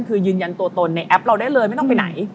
คือยืนยันตัวตนในแอปเราได้เลยไม่ต้องไปไหน